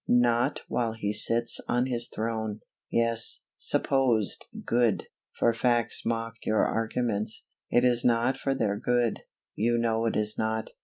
not while He sits on His throne_. Yes, supposed good, for facts mock your arguments. It is not for their good; you know it is not.